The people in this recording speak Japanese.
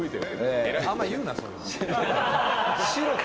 あんま言うな。